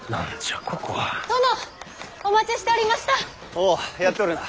おうやっておるな。